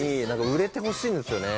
売れてほしいんですよね。